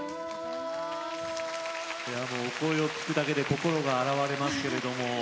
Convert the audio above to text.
お声を聴くだけで心が洗われますけれども。